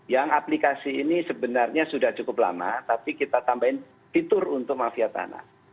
yang aplikasi ini sebenarnya sudah cukup lama tapi kita tambahin fitur untuk mafia tanah